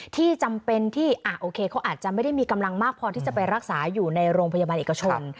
ที่จำเป็นที่โอเคเขาอาจจะไม่ได้มีกำลังมากพอที่จะไปรักษาอยู่ในโรงพยาบาลเอกชน